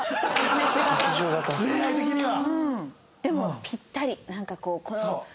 恋愛的には。